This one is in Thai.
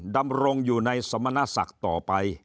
ดำรงอยู่ในสมณศักดิ์ต่อไป